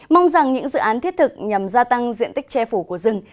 mong rằng những dự án thiết thực nhằm gia tăng diện tích che phủ của rừng